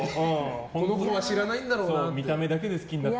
この子は知らないんだろうなって。